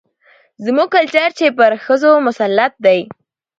زموږ کلچر چې پر ښځو مسلط دى،